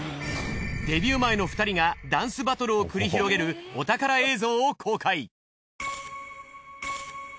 デビュー前の２人がダンスバトルを繰り広げるお宝映像を公開。